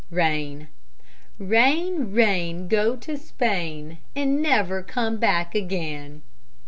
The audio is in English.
RAIN Rain, rain, go to Spain, And never come back again.